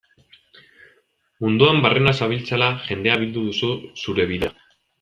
Munduan barrena zabiltzala, jendea bildu duzu zure bidera.